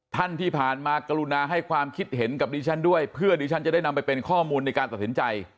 ที่ผ่านมากรุณาให้ความคิดเห็นกับดิฉันด้วยเพื่อดิฉันจะได้นำไปเป็นข้อมูลในการตัดสินใจ